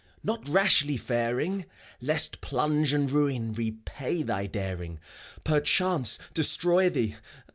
Not rashly faring; Lest plunge and ruin Repay thy daring, Perchance destroy thee.